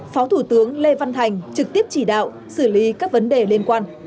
phó thủ tướng lê văn thành trực tiếp chỉ đạo xử lý các vấn đề liên quan